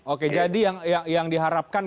oke jadi yang diharapkan